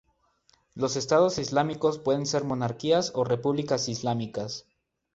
Los Estados islámicos pueden ser monarquías o repúblicas islámicas.